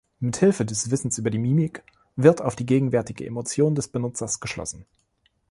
Mithilfe des Wissens über die Mimik wird auf die gegenwärtige Emotion des Benutzers geschlossen.